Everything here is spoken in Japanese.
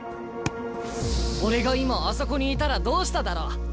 「俺が今あそこにいたらどうしただろう？」。